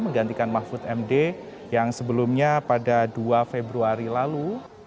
menggantikan mahfud md yang sebelumnya pada dua februari lalu